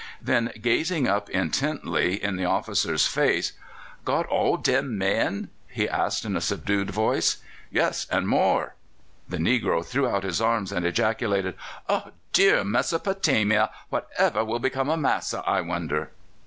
Then, gazing up intently in the officer's face: "Got all dem men?" he asked in a subdued voice. "Yes, and more." The negro threw out his arms and ejaculated: "Oh! dear Mesopotamia! Whatever will become of massa, I wonder?"